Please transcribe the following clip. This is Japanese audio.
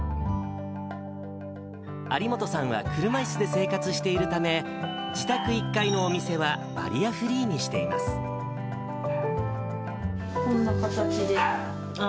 有本さんは車いすで生活しているため、自宅１階のお店はバリアフこんな形で。